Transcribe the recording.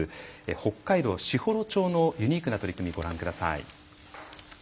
北海道士幌町のユニークな取り組みご覧ください。